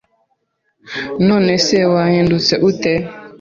None se wahindutse ute